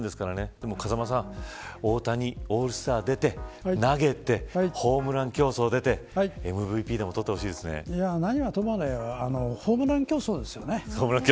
でも風間さん大谷、オールスター出て、投げてホームラン競争出て何はともあれホームラン競争ですよね。